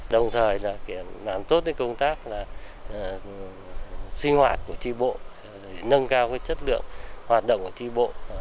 đồng thời làm tốt công tác sinh hoạt của chị bộ nâng cao chất lượng hoạt động của chị bộ